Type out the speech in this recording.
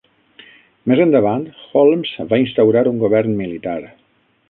Més endavant, Holmes va instaurar un govern militar.